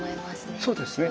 そうですね。